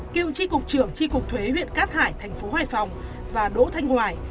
kêu chi cục trưởng chi cục thuế huyện cát hải thành phố hoài phòng và đỗ thanh hoài